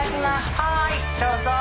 はいどうぞ。